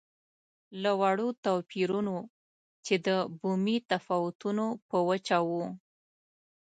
له وړو توپیرونو چې د بومي تفاوتونو په وجه وو.